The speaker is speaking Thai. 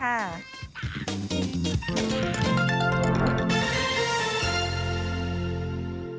สวัสดีค่ะ